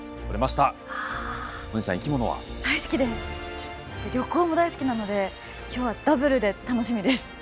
そして旅行も大好きなので今日はダブルで楽しみです。